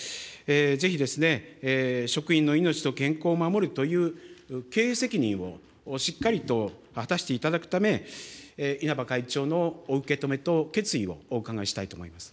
ぜひ、職員の命と健康を守るという経営責任をしっかりと果たしていただくため、稲葉会長のお受け止めと決意をお伺いしたいと思います。